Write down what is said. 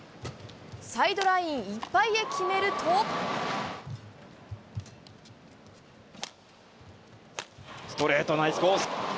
サイドラインいっぱいへ決めストレート、ナイスコース。